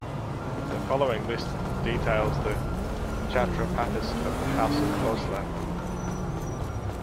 The following list details the Chhatrapatis of the House of Bhosle.